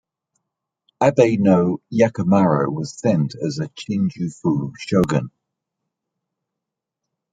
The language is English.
Abe no Yakamaro was sent as Chinjufu Shogun.